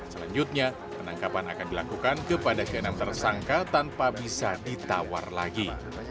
selanjutnya penangkapan akan dilakukan kepada keenam tersangka tanpa bisa ditawar lagi